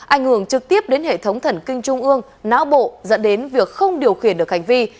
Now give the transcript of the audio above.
ảnh hưởng trực tiếp đến hệ thống thần kinh trung ương não bộ dẫn đến việc không điều khiển được hành vi